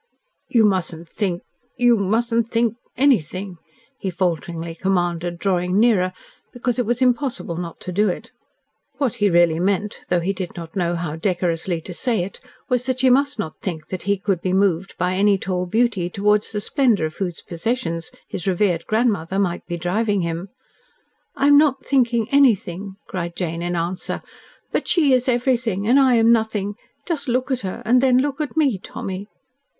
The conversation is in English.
"You mustn't think you mustn't think ANYTHING," he falteringly commanded, drawing nearer, because it was impossible not to do it. What he really meant, though he did not know how decorously to say it, was that she must not think that he could be moved by any tall beauty, towards the splendour of whose possessions his revered grandmother might be driving him. "I am not thinking anything," cried Jane in answer. "But she is everything, and I am nothing. Just look at her and then look at me, Tommy."